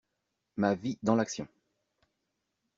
Ma vie dans l'action